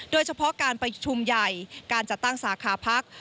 โดยเฉพาะการประชุมใหญ่การจัดตั้งสาขาพัก